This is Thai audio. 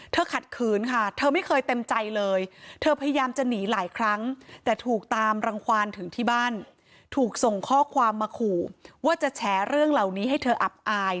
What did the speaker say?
ขัดขืนค่ะเธอไม่เคยเต็มใจเลยเธอพยายามจะหนีหลายครั้งแต่ถูกตามรังความถึงที่บ้านถูกส่งข้อความมาขู่ว่าจะแฉเรื่องเหล่านี้ให้เธออับอาย